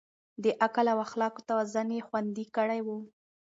د عقل او اخلاقو توازن يې خوندي کړی و.